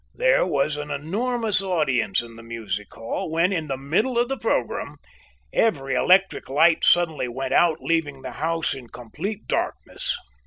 There was an enormous audience in the music hall when, in the middle of the programme, every electric light suddenly went out, leaving the house in complete darkness.